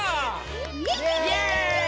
イエイ！